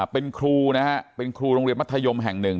เป็นครูนะฮะเป็นครูโรงเรียนมัธยมแห่งหนึ่ง